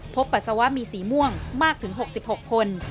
ปัสสาวะมีสีม่วงมากถึง๖๖คน